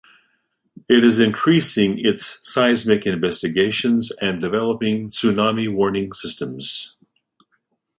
It is increasing its seismic investigations and developing tsunami warning systems.